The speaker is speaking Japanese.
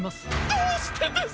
どうしてです！？